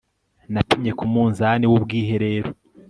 Napimye ku munzani wubwiherero